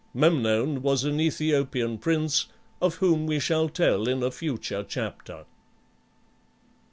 Memnon was an Aethiopian prince, of whom we shall tell in a future chapter.